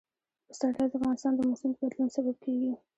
پسرلی د افغانستان د موسم د بدلون سبب کېږي.